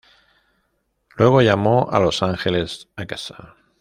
Luego llamó a Los Ángeles a casa.